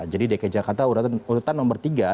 jadi dki jakarta urutan nomor tiga